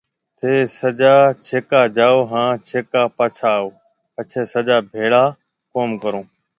ٿَي سجا ڇيڪا جاو هانَ ڇيڪا پاچها آو پڇيَ سجا ڀيڙا ڪوم ڪرون۔